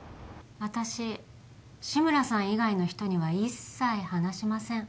私志村さん以外の人には一切話しません